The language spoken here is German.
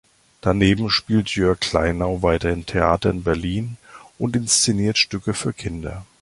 Daneben spielt Jörg Kleinau weiterhin Theater in Berlin und inszeniert Stücke für Kinder.